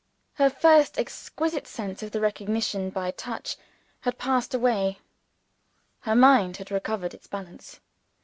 Her first exquisite sense of the recognition by touch had passed away. Her mind had recovered its balance.